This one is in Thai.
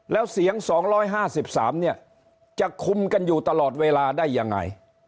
แล้วเสียง๒๕๓เนี่ยจะคุมกันอยู่ตลอดเวลาได้ยังไง